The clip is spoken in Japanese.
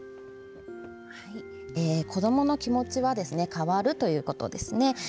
子どもの気持ちは変わるということです。